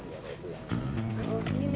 gimana berarti nih bang